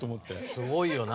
すごいよな。